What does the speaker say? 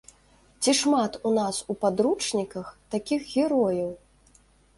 Ці шмат у нас у падручніках такіх герояў?